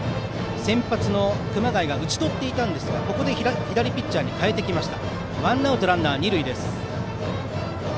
先発の熊谷が打ち取っていたんですがここで左ピッチャーに代えてきました。